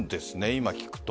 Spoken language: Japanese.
今聞くと。